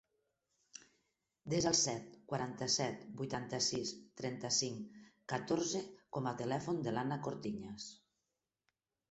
Desa el set, quaranta-set, vuitanta-sis, trenta-cinc, catorze com a telèfon de l'Ana Cortiñas.